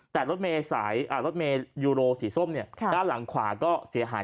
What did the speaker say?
แต่รถเมยูโรสีส้มด้านหลังขวาก็เสียหาย